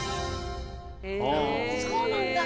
そうなんだ。